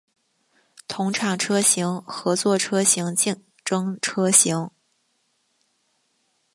同厂车型合作车型竞争车型